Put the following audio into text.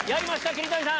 桐谷さん。